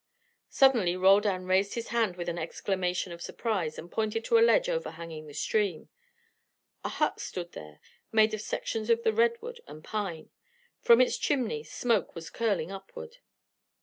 Suddenly Roldan raised his hand with an exclamation of surprise and pointed to a ledge overhanging the stream. A hut stood there, made of sections of the redwood and pine. From its chimney, smoke was curling upward.